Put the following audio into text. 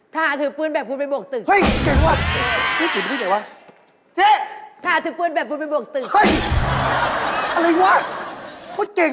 ถ้าถือปืนแบบปืนเป็นบวกตึก